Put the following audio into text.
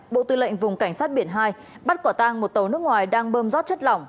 bộ tư lệnh vùng cảnh sát biển hai bắt quả tang một tàu nước ngoài đang bơm giót chất lỏng